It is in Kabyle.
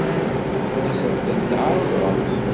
Ad sent-ten-tɛeṛḍemt?